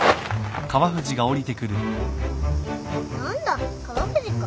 何だ川藤か。